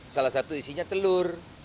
salah satu isinya telur